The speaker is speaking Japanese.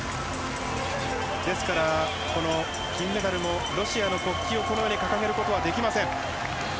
ですから、銀メダルもロシアの国旗を掲げることはできません。